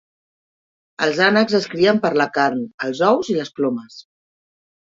Els ànecs es crien per la carn, els ous i les plomes.